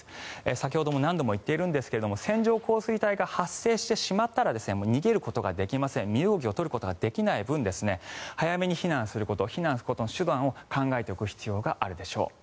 先ほども何度も言っているんですが線状降水帯が発生してしまったら逃げることができません身動きを取ることができない分早めに避難すること避難する手段を考えておく必要があるでしょう。